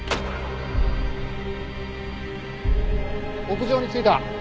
屋上に着いた。